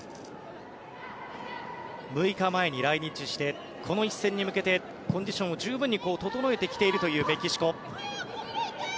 ６日前に来日してこの一戦に向けてコンディションを十分に整えてきているというメキシコ。